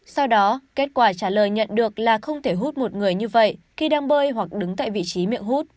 sau đó kết quả trả lời nhận được là không thể hút một người như vậy khi đang bơi hoặc đứng tại vị trí miệng hút